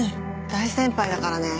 大先輩だからね。